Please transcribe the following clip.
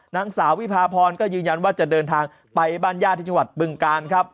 นางสาววิพาพรก็ยืนยันว่าจะเดินทางไปบ้านญาติที่จังหวัดบึงกาลครับ